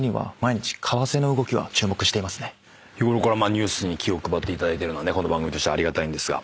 日ごろからニュースに気を配っていただいてるのはこの番組としてはありがたいんですが。